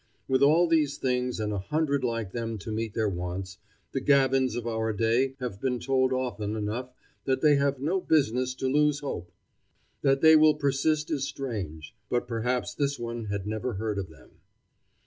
With all these things and a hundred like them to meet their wants, the Gavins of our day have been told often enough that they have no business to lose hope. That they will persist is strange. But perhaps this one had never heard of them.